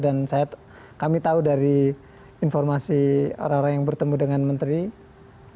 dan kami tahu dari informasi orang orang yang bertemu dengan menteri hukum